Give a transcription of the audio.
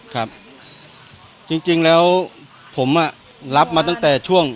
ครับจริงแล้วผมรับมาตั้งแต่ช่วง